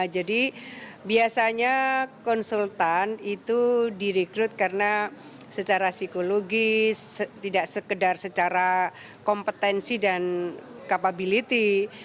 jadi biasanya konsultan itu direkrut karena secara psikologis tidak sekedar secara kompetensi dan capability